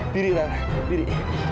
diri lara diri